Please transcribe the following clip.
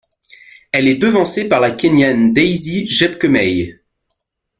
Elle est devancée par la Kényane Daisy Jepkemei.